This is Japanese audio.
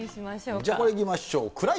じゃあこれいきましょう。